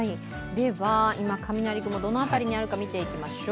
今、雷雲どの辺りにあるのか見てみましょう。